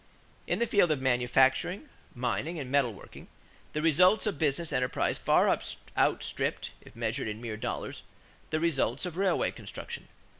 = In the field of manufacturing, mining, and metal working, the results of business enterprise far outstripped, if measured in mere dollars, the results of railway construction.